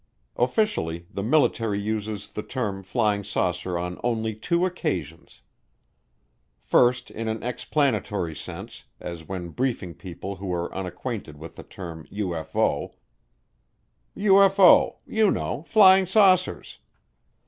Officially the military uses the term "flying saucer" on only two occasions. First in an explanatory sense, as when briefing people who are unacquainted with the term "UFO": "UFO you know flying saucers."